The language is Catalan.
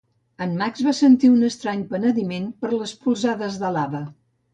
En Max va sentir un estrany penediment per les polzades de l'Ava.